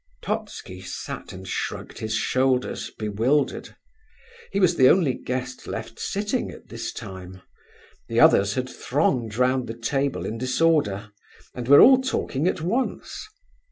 Totski sat and shrugged his shoulders, bewildered. He was the only guest left sitting at this time; the others had thronged round the table in disorder, and were all talking at once.